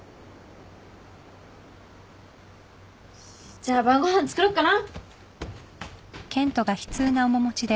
じゃあ晩ご飯作ろっかな！